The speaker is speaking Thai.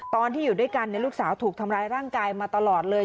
ตอนที่อยู่ด้วยกันลูกสาวถูกทำร้ายร่างกายมาตลอดเลย